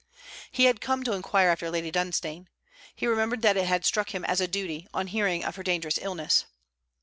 He had come to inquire after Lady Dunstane. He remembered that it had struck him as a duty, on hearing of her dangerous illness.